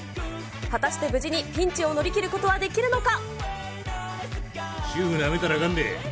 果たして無事にピンチを乗り切ることはできるのか。